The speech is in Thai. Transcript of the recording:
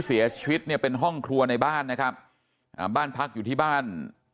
เสียชีวิตเนี่ยเป็นห้องครัวในบ้านนะครับอ่าบ้านพักอยู่ที่บ้าน